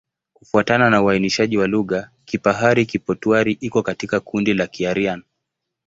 Kufuatana na uainishaji wa lugha, Kipahari-Kipotwari iko katika kundi la Kiaryan.